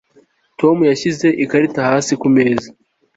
Tom yashyize ikarita hasi kumeza